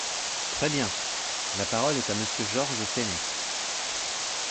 Très bien ! La parole est à Monsieur Georges Fenech.